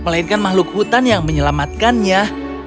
melainkan makhluk hutan yang menyelamatkannya